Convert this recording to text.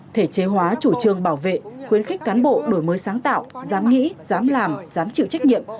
thể chế hóa chủ trương bảo vệ khuyến khích cán bộ đổi mới sáng tạo dám nghĩ dám làm dám chịu trách nhiệm